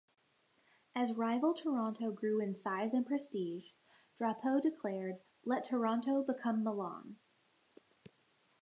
As rival Toronto grew in size and prestige, Drapeau declared: Let Toronto become Milan.